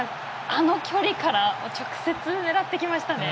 あの距離から直接狙ってきましたね。